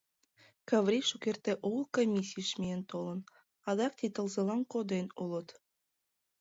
— Каврий шукерте огыл комиссийыш миен толын, адак ик тылзылан коден улыт.